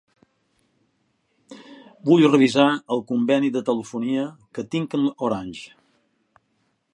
Vull revisar el conveni de telefonia que tinc amb Orange.